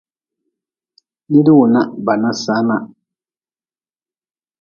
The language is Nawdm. Nidwunah bana sana.